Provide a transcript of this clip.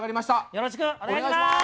よろしくお願いします。